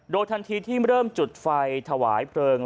โดยทันทีที่เริ่มจุดไฟถวายเพลิง